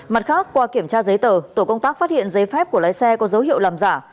mặt khác qua kiểm tra giấy tờ tổ công tác phát hiện giấy phép của lái xe có dấu hiệu làm giả